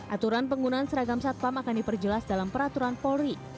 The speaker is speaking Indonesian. aturan penggunaan seragam satpam akan diperjelas dalam peraturan polri